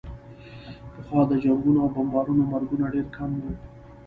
پخوا د جنګونو او بمبارونو مرګونه ډېر کم وو.